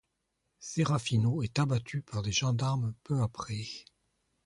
Serafino est abattu par des gendarmes peu après.